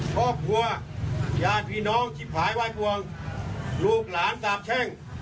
ครอบครัวญาติพี่น้องจิบหายว่ายปวงลูกหลานตาบแช่ง